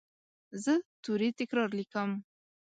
زه توري تکرار لیکم.